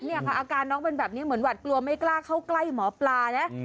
เนี่ยค่ะอาการน้องเป็นแบบนี้เหมือนหวัดกลัวไม่กล้าเข้าใกล้หมอปลานะ